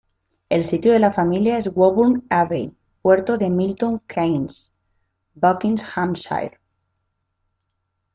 El sitio de la familia es Woburn Abbey, puerto de Milton Keynes, Buckinghamshire.